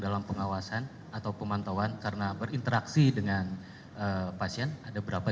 dalam pengawasan atau pemantauan karena berinteraksi dengan pasien ada berapa